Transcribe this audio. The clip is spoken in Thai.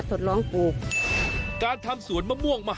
การเปลี่ยนแปลงในครั้งนั้นก็มาจากการไปเยี่ยมยาบที่จังหวัดก้าและสินใช่ไหมครับพี่รำไพ